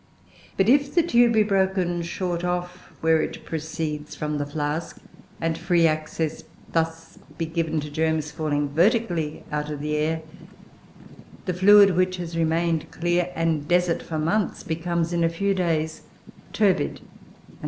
But if the tube be broken short off where it proceeds from the flask, and free access be thus given to germs falling vertically out of the air, the fluid, which has remained clear and desert for months, becomes, in a few days, turbid and full of life.